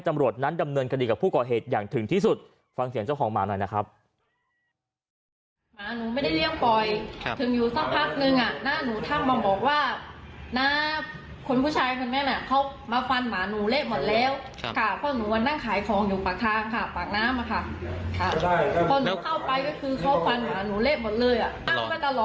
หมาล่ำไว้ตรงเนี้ยน่ะเป็นปีสองปีแล้วอ่ะค่ะมันไม่เคยทำร้ายใคร